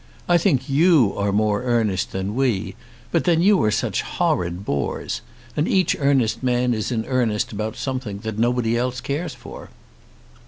I think you are more earnest than we; but then you are such horrid bores. And each earnest man is in earnest about something that nobody else cares for."